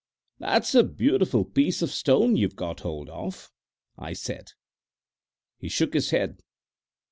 "That's a beautiful piece of stone you've got hold of," I said. He shook his head.